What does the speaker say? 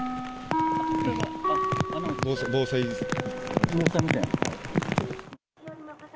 防災ですか？